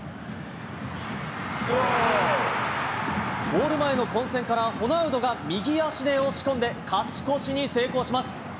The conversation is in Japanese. ゴール前の混戦からホナウドが右足で押し込んで勝ち越しに成功します。